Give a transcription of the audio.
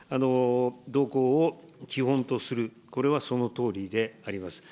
同行を基本とする、これはそのとおりであります。